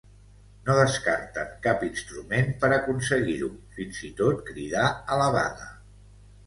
No descarten cap instrument per aconseguir-ho, fins i tot cridar a la vaga.